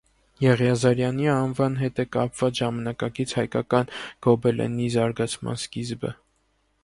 Եղիազարյանի անվան հետ է կապված ժամանակակից հայկական գոբելենի զարգացման սկիզբը։